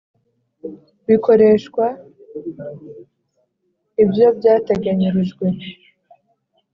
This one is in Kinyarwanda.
bikoreshwa ibyo byateganyirijwe